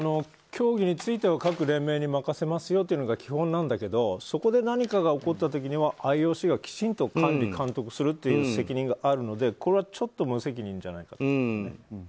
競技については各連盟に任せますよというのが基本なんだけどそこで何かが起こった時にはＩＯＣがきちんと管理・監督するという責任があるので、これはちょっと無責任じゃないかと。